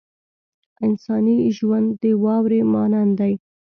انساني ژوند د واورې مانند دی.